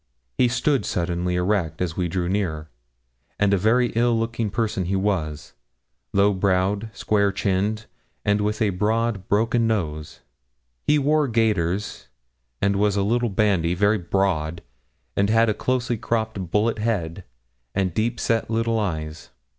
He stood suddenly erect as we drew near, and a very ill looking person he was, low browed, square chinned, and with a broad, broken nose. He wore gaiters, and was a little bandy, very broad, and had a closely cropped bullet head, and deep set little eyes.